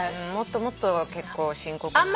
もっともっと結構深刻な。